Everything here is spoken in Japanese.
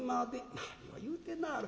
「何を言うてなある。